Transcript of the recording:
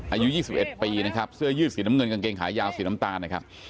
อายุ๒๑ปีนะครับเสื้อยืดสีน้ำเงินกางเกงขายาวสีน้ำตาลนะครับ